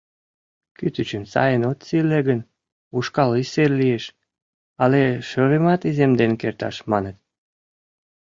Кӱтӱчым сайын от сийле гын, ушкал исыр лиеш але шӧрымат иземден керташ, маныт!